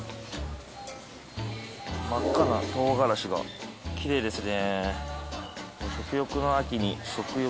真っ赤なトウガラシがきれいですね。